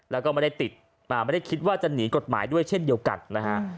แล้วก็ไม่ได้ติดมาไม่ได้คิดว่าจะหนีกฎหมายด้วยเช่นเดียวกันนะฮะ